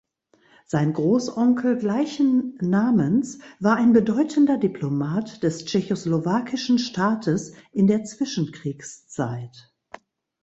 Sein Großonkel gleichen Namens war ein bedeutender Diplomat des tschechoslowakischen Staates in der Zwischenkriegszeit.